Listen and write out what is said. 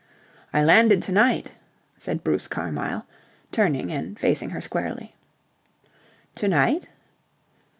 "I landed to night," said Bruce Carmyle, turning and faced her squarely. "To night!"